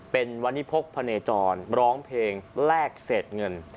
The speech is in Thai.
เป็นวันนี้พกพะเนจรร้องเพลงแลกเศษเงิน